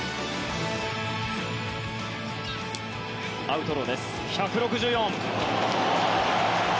アウトローです、１６４！